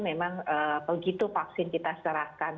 memang begitu vaksin kita serahkan